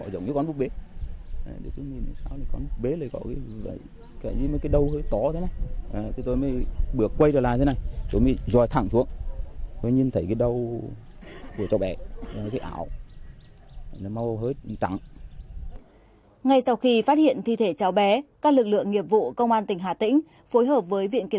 đến hai mươi h cùng ngày lực lượng chức năng phát hiện thi thể cháu bé nổi trên giếng làng của thôn